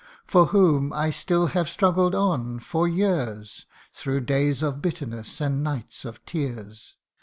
For whom I still have struggled on, for years, Through days of bitterness and nights of tears